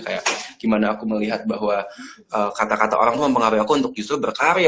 kayak gimana aku melihat bahwa kata kata orang tuh mempengaruhi aku untuk justru berkarya